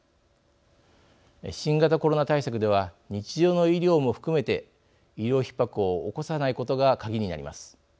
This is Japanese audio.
新型コロナ対策では日常の医療も含めて医療ひっ迫を起こさないことが鍵になります。